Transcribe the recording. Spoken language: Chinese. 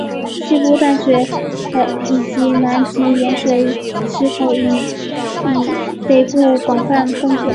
西部淡水以南至盐水溪口以北间广泛分布。